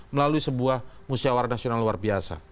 melalui sebuah musyawara nasional luar biasa